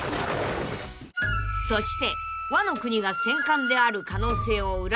［そして］